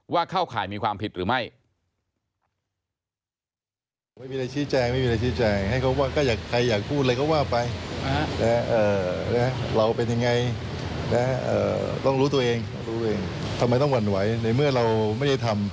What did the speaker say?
เข้าข่ายมีความผิดหรือไม่